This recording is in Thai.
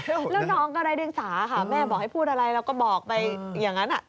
แล้วน้องก็ไร้เดียงสาค่ะแม่บอกให้พูดอะไรแล้วก็บอกไปอย่างนั้น